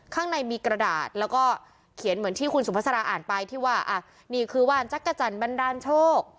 ข้างในมีกระดาษแล้วก็เขียนเหมือนที่คุณสุภาษาอ่านไปที่ว่าอ่ะนี่คือว่านจักรจันทร์บันดาลโชค